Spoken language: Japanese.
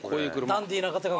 ダンディーな方が。